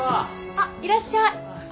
あっいらっしゃい。